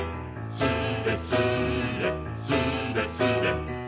「スレスレスレスレ」